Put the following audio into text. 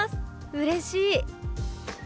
うれしい！」。